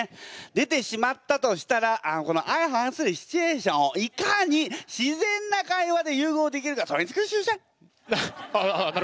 出てしまったとしたらこの相反するシチュエーションをいかに自然な会話で融合できるかそれにつきるでしょうね。